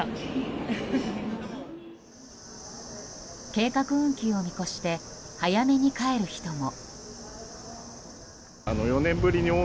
計画運休を見越して早めに帰る人も。